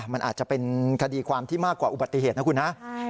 มันอาจจะเป็นคดีความที่มากกว่าอุบัติเหตุนะคุณนะ